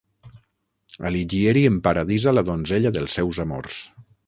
Alighieri emparadisa la donzella dels seus amors.